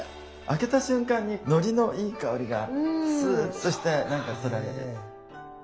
開けた瞬間にのりのいい香りがスーッとしてなんかそそられる。